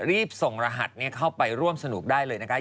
รีบส่งรหัสเข้าไปร่วมสนุกได้เลยนะคะ